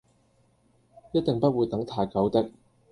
一定不會等太久的